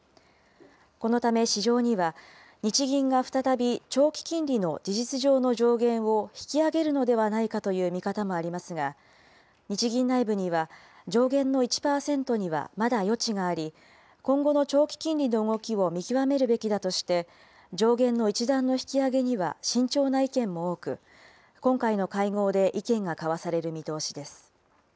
このため市場には、日銀が再び長期金利の事実上の上限を引き上げるのではないかという見方もありますが、日銀内部には上限の１％にはまだ余地があり、今後の長期金利の動きを見極めるべきだとして、上限の一段の引き上げには慎重な意見も多く、今回の会合で意見が交わされる見通しです。